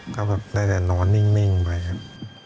ก็แบบได้แต่นอนนิ่งไปครับ